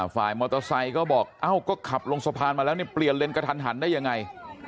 ฝ่ายมอเตอร์ไซค์ก็บอกเอ้าก็ขับลงสะพานมาแล้วเนี่ยเปลี่ยนเลนกระทันหันได้ยังไง